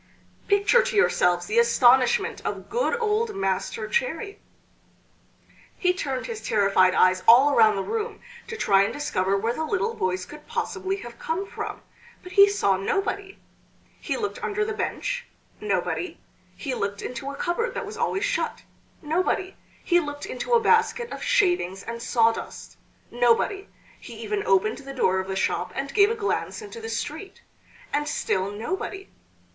Picture to yourselves the astonishment of good old Master Cherry! He turned his terrified eyes all around the room to try and discover where the little voice could possibly have come from, but he saw nobody! He looked under the bench nobody; he looked into a cupboard that was always shut nobody; he looked into a basket of shavings and sawdust nobody; he even opened the door of the shop and gave a glance into the street and still nobody.